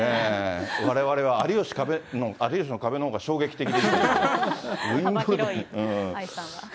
われわれは有吉の壁のほうが衝撃的でしたけど。